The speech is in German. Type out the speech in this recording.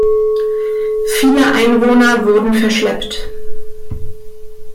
Viele Einwohner wurden verschleppt.